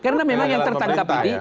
karena memang yang tertangkap ini